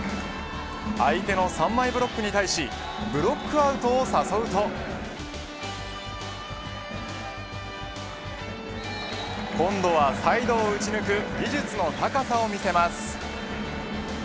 相手の３枚ブロックに対しブロックアウトを誘うと今度はサイドを打ち抜く技術の高さを見せます。